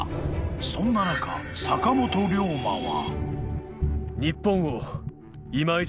［そんな中坂本龍馬は］